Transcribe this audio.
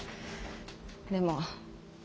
でも。